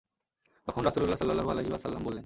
তখন রাসুলুল্লাহ সাল্লাল্লাহু আলাইহি ওয়াসাল্লাম বললেন।